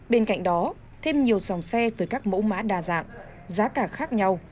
bên cạnh đó thêm nhiều dòng xe với các mẫu mã đa dạng giá cả khác nhau